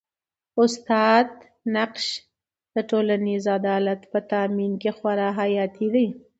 د استاد نقش د ټولنیز عدالت په تامین کي خورا حیاتي دی.